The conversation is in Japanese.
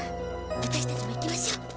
ワタシたちも行きましょう。